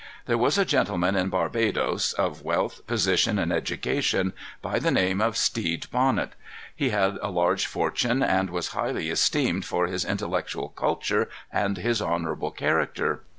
There was a gentleman in Barbadoes, of wealth, position, and education, by the name of Stede Bonnet. He had a large fortune, and was highly esteemed for his intellectual culture and his honorable character.